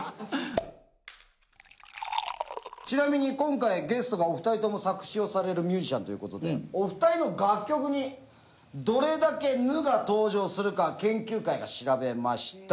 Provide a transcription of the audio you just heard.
ちなみに今回ゲストがお二人とも作詞をされるミュージシャンという事でお二人の楽曲にどれだけ「ぬ」が登場するか研究会が調べました。